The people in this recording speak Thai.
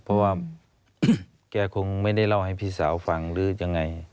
เพราะว่าแกคงไม่ได้เล่าให้พี่สาวฟังหรือยังไง